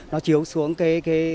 nó chiếu xuống cái